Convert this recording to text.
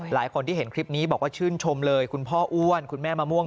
หลายคนที่เห็นคลิปนี้บอกว่าชื่นชมเลยคุณพ่ออ้วนคุณแม่มะม่วง